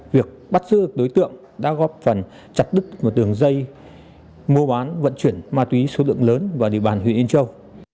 việc bắt giữ đối tượng đã góp phần chặt đứt một đường dây mua bán vận chuyển ma túy số lượng lớn vào địa bàn huyện yên châu